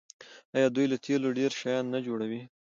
آیا دوی له تیلو ډیر شیان نه جوړوي؟